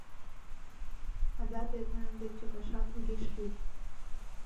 Ада дене ынде чыташат огеш лий!»